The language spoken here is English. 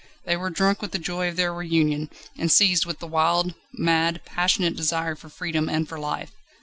They were drunk with the joy of their reunion, and seized with the wild, mad, passionate desire for freedom and for life